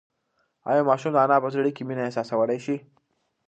ایا ماشوم د انا په زړه کې مینه احساسولی شي؟